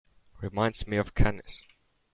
Reminds me of Cannes.